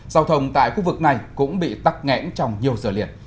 giao thông tại khu vực này cũng bị tắc nghẽn trong nhiều giờ liền